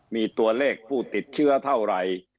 มีตัวเลขผู้ติดเชื้อเท่าไหร่